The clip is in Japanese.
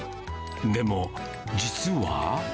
でも、実は。